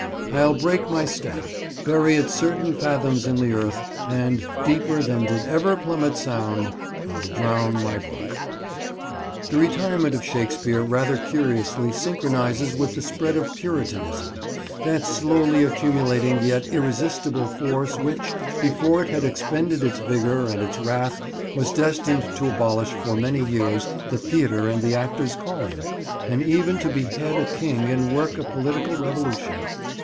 . I'll break my staff, Bury it certain fathoms in the earth, And, deeper than did ever plummet sound, I'll drown my book." The retirement of Shakespeare rather curiously synchronises with the spread of Puritanism, that slowly accumulating yet irresistible force which, before it had expended its vigour and its wrath was destined to abolish for many years the theatre and the actor's calling, and even to behead a king and work a political revolution.